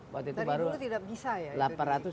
tadi dulu tidak bisa ya